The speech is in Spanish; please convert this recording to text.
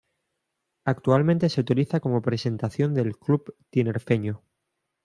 Actualmente se utiliza como presentación del club tinerfeño.